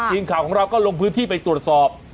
ทีมข่าวของเราก็ลงพื้นที่ไปตรวจสอบ